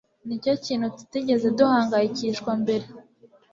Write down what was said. Nicyo kintu tutigeze duhangayikishwa mbere.